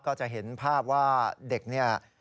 ก็จะเห็นภาพว่าเด็กเนี่ย